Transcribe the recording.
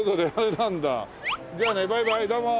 じゃあねバイバイどうも。